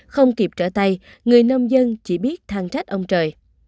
không kịp trở tay người nông dân chỉ biết thang trách ông trời